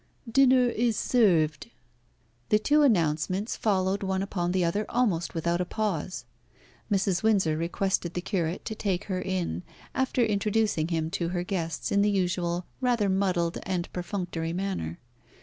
"Dinner is served." The two announcements followed one upon the other almost without a pause. Mrs. Windsor requested the curate to take her in, after introducing him to her guests in the usual rather muddled and perfunctory manner.